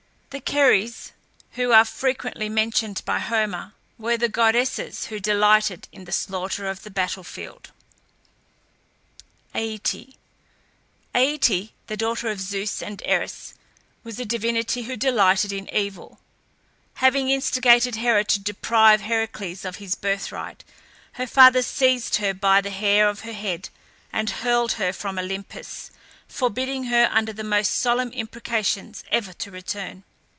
The Keres, who are frequently mentioned by Homer, were the goddesses who delighted in the slaughter of the battle field. ATE. Ate, the daughter of Zeus and Eris, was a divinity who delighted in evil. Having instigated Hera to deprive Heracles of his birthright, her father seized her by the hair of her head, and hurled her from Olympus, forbidding her, under the most solemn imprecations, ever to return.